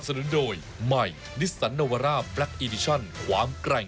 ผมไม่ห่วงรู้กับคนเลวเลยผมไม่ต้องการไม่ควร